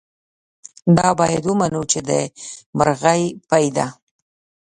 دا باید ومنو چې د مرغۍ پۍ ده.